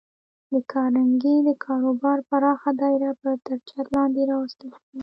د کارنګي د کاروبار پراخه دایره به تر چت لاندې راوستل شي